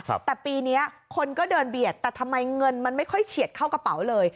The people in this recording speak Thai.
แต่ปีเนี้ยคนก็เดินเบียดแต่ทำไมเงินมันไม่ค่อยเฉียดเข้ากระเป๋าเลย